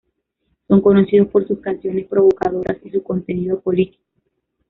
Son conocidos por sus canciones provocadoras y su contenido político.